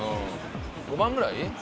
５万ぐらい。